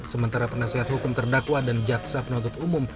sementara penasihat hukum terdakwa dan jaksa penuntut umum